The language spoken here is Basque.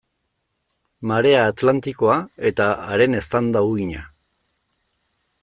Marea Atlantikoa eta haren eztanda-uhina.